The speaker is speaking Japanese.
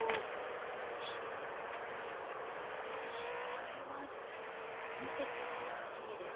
これは見てて楽しいです。